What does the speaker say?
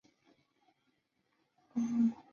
人口数最高的独立市是马里兰州巴尔的摩。